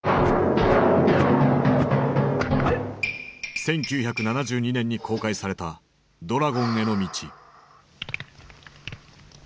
１９７２年に公開された「ドラゴンへの道」。